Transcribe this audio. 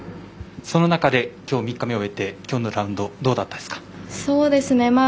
その中で、きょう３日目を終えてきょうのラウンドどうだったですか？